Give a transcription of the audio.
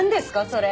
それ。